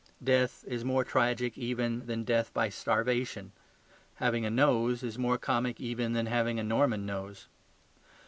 Death is more tragic even than death by starvation. Having a nose is more comic even than having a Norman nose.